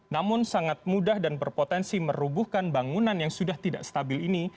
namun sangat mudah dan berpotensi merubuhkan bangunan yang sudah tidak stabil ini